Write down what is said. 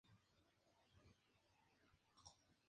Dicho plano es el primero realizado de la ciudad de Valladolid.